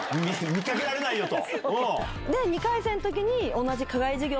見かけられないよ！と。